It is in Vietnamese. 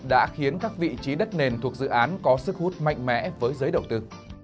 đã khiến các vị trí đất nền thuộc dự án có sức hút mạnh mẽ với giới đầu tư